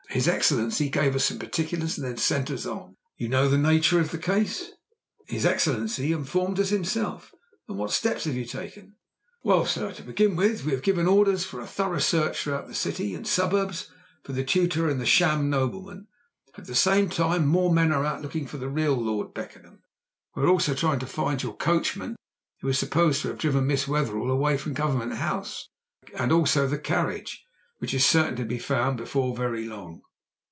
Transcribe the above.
"His Excellency gave us some particulars and then sent us on." "You know the nature of the case?" "His Excellency informed us himself." "And what steps have you taken?" "Well, sir, to begin with, we have given orders for a thorough search throughout the city and suburbs for the tutor and the sham nobleman, at the same time more men are out looking for the real Lord Beckenham. We are also trying to find your coachman, who was supposed to have driven Miss Wetherell away from Government House, and also the carriage, which is certain to be found before very long."